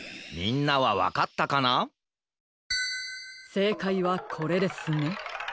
せいかいはこれですね。